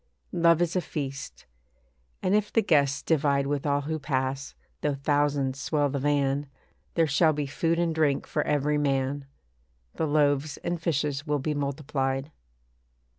Love is a feast; and if the guests divide With all who pass, though thousands swell the van, There shall be food and drink for every man; The loaves and fishes will be multiplied.